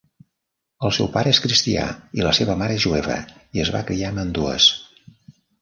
El seu pare és cristià i la seva mare és jueva, i es va "criar amb ambdues".